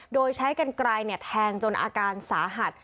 โดยใช้กันกรายเนี่ยแทงจนอาการสาหัส